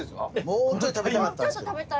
もうちょい食べたかった。